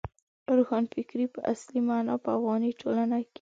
روښانفکرۍ په اصلي مانا په افغاني ټولنه کې.